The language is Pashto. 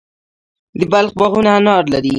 د بلخ باغونه انار لري.